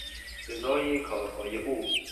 سزای کارهای او